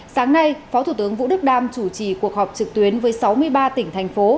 sáng nay phó thủ tướng vũ đức đam chủ trì cuộc họp trực tuyến với sáu mươi ba tỉnh thành phố